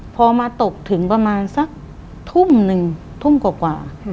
พอมาตกถึงประมาณสักทุ่มหนึ่งทุ่มกว่า